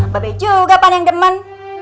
babe juga pan yang demen